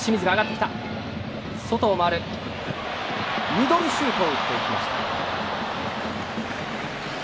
ミドルシュートを打っていきました。